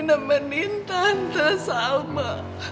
nemenin tante sama